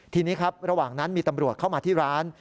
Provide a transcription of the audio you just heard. ทีนี้ครับระหว่างนั้นมีตำรวจเข้ามาที่ร้าน